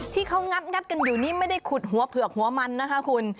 ที่เขางัดกันอยู่นี่ไม่ได้ขุดหัวเผือกหัวมันนะคะคุณ